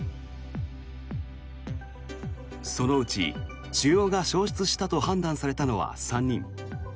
そのうち腫瘍が消失したと判断されたのは３人。